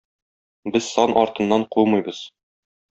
Без сан артыннан кумыйбыз.